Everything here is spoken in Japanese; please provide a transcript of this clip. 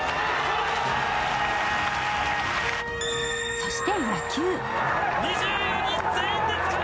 そして野球。